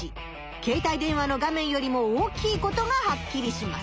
携帯電話の画面よりも大きいことがはっきりします。